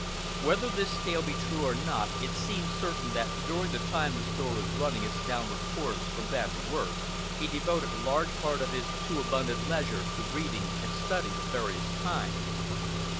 Whether this tale be true or not it seems certain that during the time the store was running its downward course from bad to worse, he devoted a large part of his too abundant leisure to reading and study of various kinds.